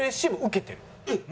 えっ！